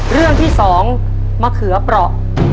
เรื่องที่๒มะเขือเปราะ